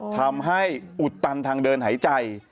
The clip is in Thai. อุดตันทางเดินหายใจ